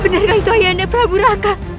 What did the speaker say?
bener gak itu ayah anda prabu raka